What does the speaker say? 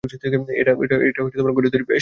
এটা ঘরে তৈরি পেস্ট।